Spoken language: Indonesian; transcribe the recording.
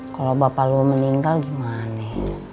kalau bapak lu meninggal gimana